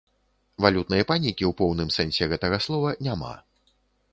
Валютнай панікі ў поўным сэнсе гэтага слова няма.